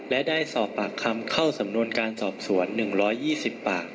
และได้สอบปากคำเข้าสำนวนการสอบสวน๑๒๐ปาก